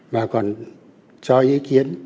mà còn cho ý kiến